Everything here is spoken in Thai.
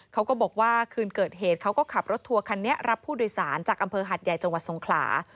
เขาก็บอกว่าคืนเกิดเหตุเขาก็ขับรถทัวร์คันนี้รับผู้โดยสารจากอำเภอหัดใหญ่จังหวัดสงขลา